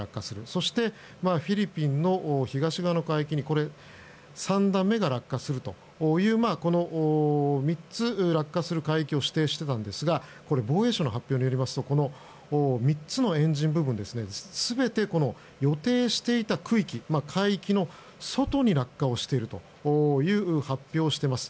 そしてフィリピンの東側の海域に３段目が落下するというこの３つ落下する海域を指定していたんですが防衛省の発表によりますと３つのエンジン部分全て予定していた区域海域の外に落下をしているという発表をしています。